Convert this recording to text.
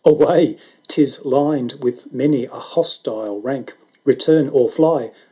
Away ! 'tis Uned with many a hostile rank. 970 Return or fly !